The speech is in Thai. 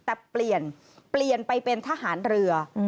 แต่เปลี่ยนเปลี่ยนไปเป็นทหารเรือ